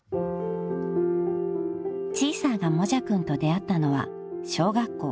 ［ちーさんがもじゃくんと出会ったのは小学校］